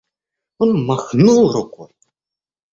Он махнул рукой.